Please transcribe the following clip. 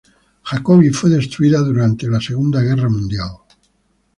Jacobi fue destruida durante la Segunda Guerra Mundial.